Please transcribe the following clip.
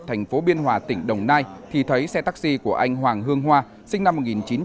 thành phố biên hòa tỉnh đồng nai thì thấy xe taxi của anh hoàng hương hoa sinh năm một nghìn chín trăm tám mươi